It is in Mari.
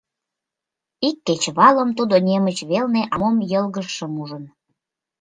Ик кечывалым тудо немыч велне ала-мом йылгыжшым ужын.